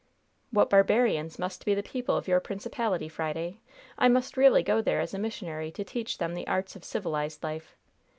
"What barbarians must be the people of your principality, Friday! I must really go there as a missionary to teach them the arts of civilized life.